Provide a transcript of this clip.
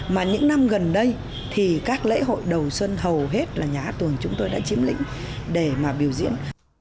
mà những năm gần đây thì các lễ hội đầu xuân hầu hết là nhà hát tuồng chúng tôi đã chiếm lĩnh để mà biểu diễn